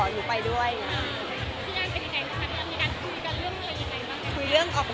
สวัสดีครับ